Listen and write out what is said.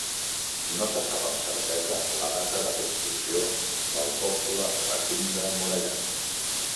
No se sap amb certesa la data de construcció del doble recinte emmurallat.